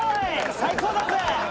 最高だぜ！